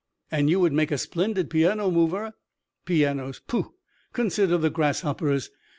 "And you would make a splendid piano mover." "Pianos! Pooh! Consider the grasshoppers.